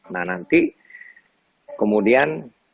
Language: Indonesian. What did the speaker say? nah nanti kemudian